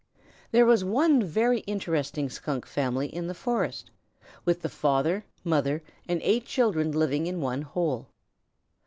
There was one very interesting Skunk family in the forest, with the father, mother, and eight children living in one hole.